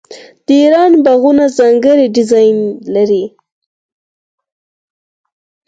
د ایران باغونه ځانګړی ډیزاین لري.